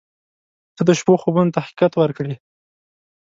• ته د شپو خوبونو ته حقیقت ورکړې.